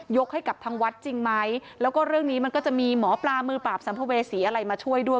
ให้กับทางวัดจริงไหมแล้วก็เรื่องนี้มันก็จะมีหมอปลามือปราบสัมภเวษีอะไรมาช่วยด้วย